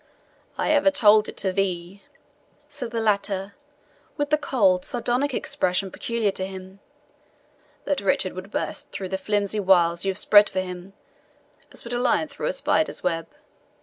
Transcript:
"I ever told it to thee," said the latter, with the cold, sardonic expression peculiar to him, "that Richard would burst through the flimsy wiles you spread for him, as would a lion through a spider's web.